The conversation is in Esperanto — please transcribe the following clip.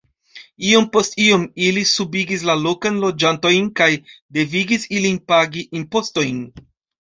Iom post iom ili subigis la lokan loĝantojn kaj devigis ilin pagi impostojn.